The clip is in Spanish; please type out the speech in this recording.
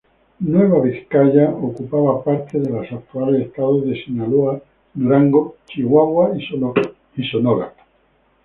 Nueva Vizcaya ocupaba parte de los actuales estados de Sinaloa, Durango, Chihuahua y Sonora.